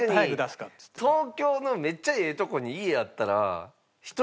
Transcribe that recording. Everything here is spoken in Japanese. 確かに東京のめっちゃええとこに家あったらそうそう。